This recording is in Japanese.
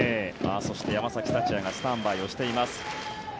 そして山崎福也がスタンバイをしています。